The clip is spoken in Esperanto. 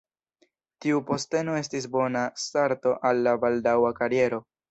Tiu posteno estis bona starto al la baldaŭa kariero.